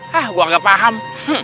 hah gua gak paham